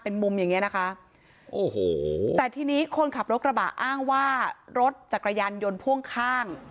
เป็นมุมอย่างเงี้นะคะโอ้โหแต่ทีนี้คนขับรถกระบะอ้างว่ารถจักรยานยนต์พ่วงข้าง